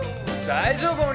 大丈夫？